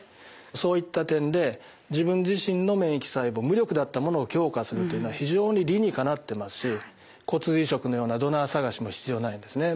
そういった点で自分自身の免疫細胞無力であったものを強化するというのは非常に理にかなっていますし骨髄移植のようなドナー探しも必要ないですね。